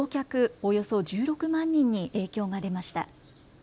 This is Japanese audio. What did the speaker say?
およそ１６万人に影響が出ました。